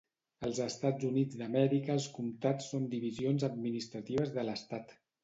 Als Estats Units d'Amèrica els comtats són divisions administratives de l'estat.